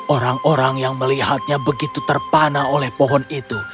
orang orang yang melihatnya begitu terpana oleh pohon itu